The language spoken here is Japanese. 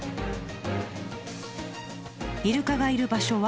イルカがいる場所は。